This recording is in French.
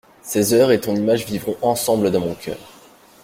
Ces heures et ton image vivront ensemble dans mon cœur.